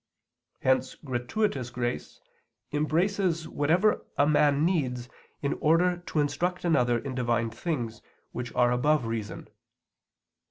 Hence gratuitous grace embraces whatever a man needs in order to instruct another in Divine things which are above reason.